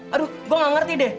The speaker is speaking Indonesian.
aduh gue gak ngerti deh